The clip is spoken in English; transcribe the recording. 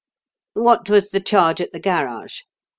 "What was the charge at the garage?"